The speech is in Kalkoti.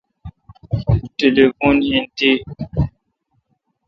ٹلیفون این تی ۔